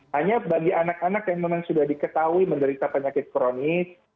hanya bagi anak anak yang memang sudah diketahui menderita penyakit kronis